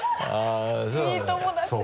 いい友達だ。